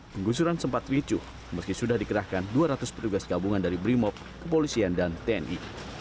penggusuran sempat ricu meski sudah dikerahkan dua ratus petugas gabungan dari brimop kepolisian dan tni